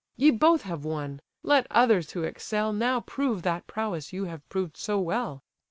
Ye both have won: let others who excel, Now prove that prowess you have proved so well."